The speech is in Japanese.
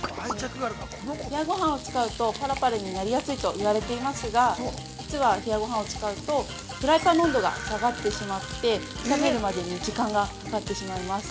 冷ごはんを使うと、パラパラになりやすいといわれていますが実は、冷ごはんを使うとフライパンの温度が下がってしまって炒めるまでに時間がかかってしまいます。